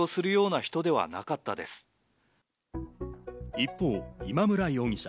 一方、今村容疑者。